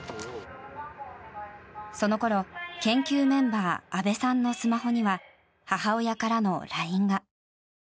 そのころ、研究メンバー阿部さんのスマホには母親からのＬＩＮＥが。